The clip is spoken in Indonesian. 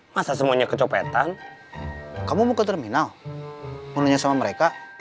tasik tasik tasik